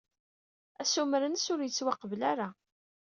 Assumer-nnes ur yettwaqbel ara.